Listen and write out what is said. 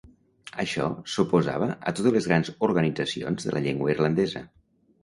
Això s'oposava a totes les grans organitzacions de la llengua irlandesa.